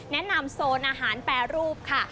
แนะนำโซนอาหารแปรรูปค่ะ